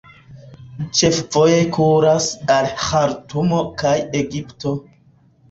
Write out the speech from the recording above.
Ĉefvojoj kuras al Ĥartumo kaj Egipto.